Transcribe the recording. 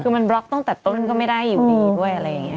คือมันบล็อกตั้งแต่ต้นก็ไม่ได้อยู่ดีด้วยอะไรอย่างนี้